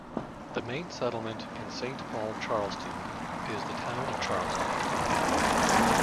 The main settlement in Saint Paul Charlestown is the town of Charlestown.